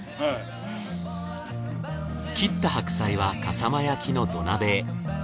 切った白菜は笠間焼の土鍋へ。